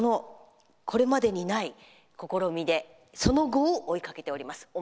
これまでにない試みでその後を追いかけております。